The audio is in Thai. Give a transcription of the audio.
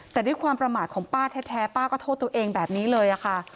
แต่ด้วยความประมาทของป้าแท้ป้าก็โทษตัวเองแบบนี้เลยค่ะ